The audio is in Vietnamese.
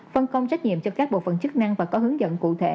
phân công trách nhiệm cho các bộ phận chức năng và có hướng dẫn cụ thể